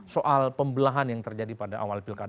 soal pembelahan yang terjadi pada awal pilkada